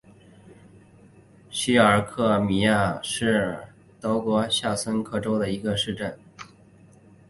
希尔格尔米森是德国下萨克森州的一个市镇。